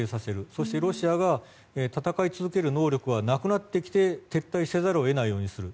そしてロシアが戦い続ける能力がなくなってきて撤退せざるを得ないようにする。